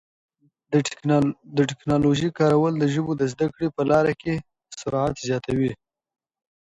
د ټکنالوژۍ کارول د ژبو د زده کړې په لاره کي سرعت زیاتوي.